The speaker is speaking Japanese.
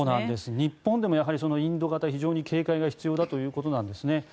日本でもやはり、そのインド型非常に警戒が必要だということなんですね。